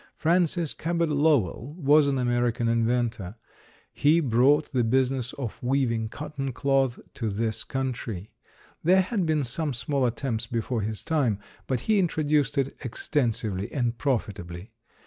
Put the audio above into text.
Francis Cabot Lowell was an American inventor. He brought the business of weaving cotton cloth to this country. There had been some small attempts before his time, but he introduced it extensively and profitably.